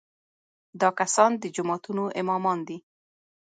دا کسان د جوماتونو امامان دي.